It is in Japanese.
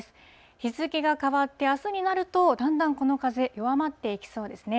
日付が変わってあすになると、だんだんこの風、弱まっていきそうですね。